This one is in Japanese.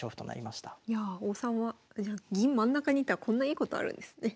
いやあ王様銀真ん中にいたらこんないいことあるんですね。